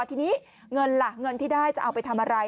ทีนี้เงินล่ะเงินที่ได้จะเอาไปทำอะไร